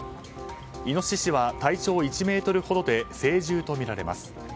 イノシシは、体長１ｍほどで成獣とみられます。